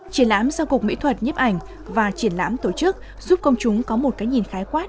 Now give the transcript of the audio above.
triển lãm do cục mỹ thuật nhếp ảnh và triển lãm tổ chức giúp công chúng có một cái nhìn khái quát